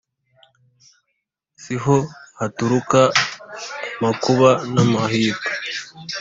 si ho haturuka amakuba n’amahirwe?